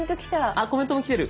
あっコメントも来てる。